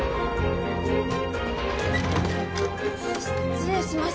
失礼します。